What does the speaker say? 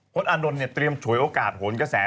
พศอานนท์เตรียมโฉยโอกาสโหนกระแส